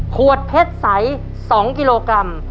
ขวดเพชรใส๒กิโลกรัม